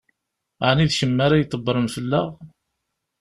Ɛni d kemm ara ydebbṛen fell-aɣ?